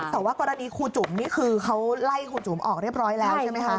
แต่ว่ากรณีครูจุ๋มนี่คือเขาไล่ครูจุ๋มออกเรียบร้อยแล้วใช่ไหมคะ